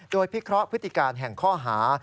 โดยพิเคราะห์พฤติการแห่งข้อหา